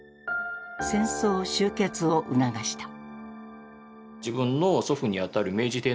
戦争終結を促した。